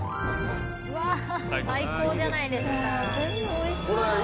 うわぁ最高じゃないですか。